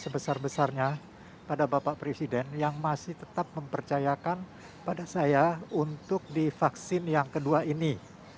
sebesar besarnya pada bapak presiden yang masih tetap mempercayakan pada saya untuk divaksin yang kedua ini